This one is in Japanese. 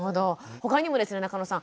ほかにもですね中野さん